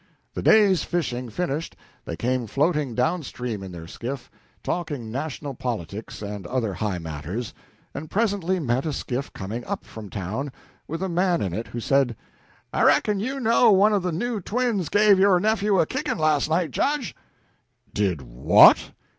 The day's fishing finished, they came floating down stream in their skiff, talking national politics and other high matters, and presently met a skiff coming up from town, with a man in it who said: "I reckon you know one of the new twins gave your nephew a kicking last night, Judge?" "Did what?"